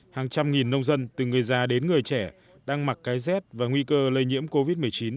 hàng trăm nghìn nông dân từ người già đến người trẻ đang mặc cái rét và nguy cơ lây nhiễm covid một mươi chín